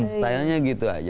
stylenya gitu aja